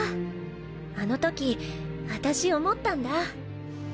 あの時私思ったんだ。